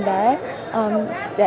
để có sự hỗ trợ